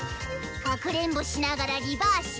かくれんぼしながらリバーシ！